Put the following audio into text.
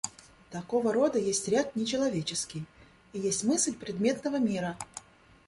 Такого рода есть ряд нечеловеческий и есть мысль предметного мира.